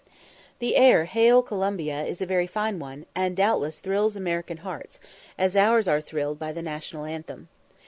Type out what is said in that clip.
The air 'Hail Columbia' is a very fine one, and doubtless thrills American hearts, as ours are thrilled by the National Anthem.